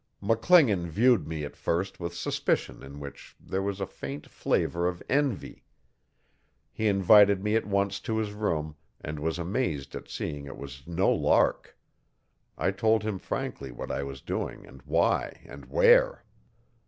McClingan viewed me at first with suspicion in which there was a faint flavour of envy. He invited me at once to his room, and was amazed at seeing it was no lark. I told him frankly what I was doing and why and where.